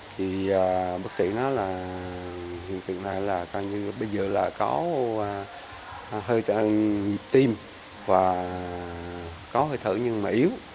thì bác sĩ nói là hiện tượng này là coi như bây giờ là có hơi nhịp tim và có hơi thở nhưng mà yếu